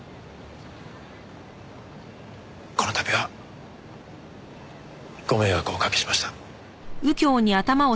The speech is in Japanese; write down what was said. この度はご迷惑をお掛けしました。